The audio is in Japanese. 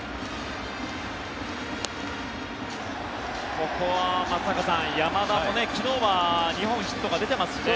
ここは松坂さん、山田も昨日は２本ヒットが出てますしね。